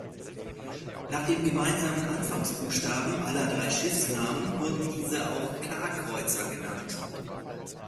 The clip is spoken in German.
Nach dem gemeinsamen Anfangsbuchstaben aller drei Schiffsnamen wurden diese auch "K-Kreuzer" genannt.